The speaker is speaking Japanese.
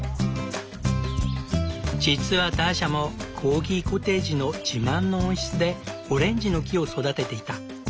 実はターシャもコーギコテージの自慢の温室でオレンジの木を育てていた。